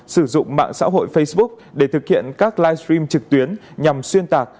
sử dụng mạng xã hội facebook để thực hiện các live stream trực tuyến nhằm xuyên tạc